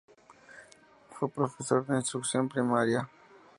Fue profesor de instrucción primaria.